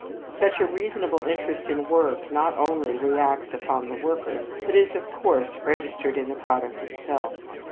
Such a reasonable interest in work not only reacts upon the worker, but is, of course, registered in the product itself.